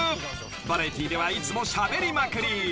［バラエティーではいつもしゃべりまくり］